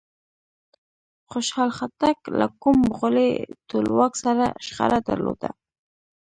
خوشحال خټک له کوم مغولي ټولواک سره شخړه درلوده؟